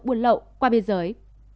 buôn lậu qua biên giới